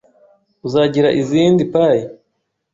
Uzagira izindi pie?